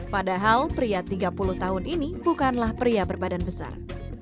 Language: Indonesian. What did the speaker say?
padahal pria tiga puluh tahun ini bukanlah pria berbadan besar